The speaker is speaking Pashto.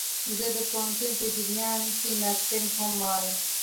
زه د پوهنتون په جریان کښي نرسينګ هم وايم.